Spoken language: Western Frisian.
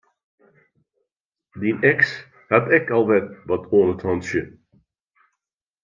Dyn eks hat ek al wer wat oan 't hantsje.